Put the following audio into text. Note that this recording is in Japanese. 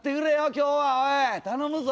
今日はおい頼むぞ！